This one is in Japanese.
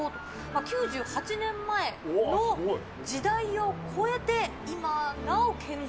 ９８年前の時代を超えて、今なお健在。